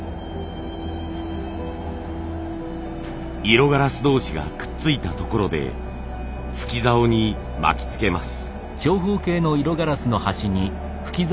色ガラス同士がくっついたところで吹きざおに巻きつけます。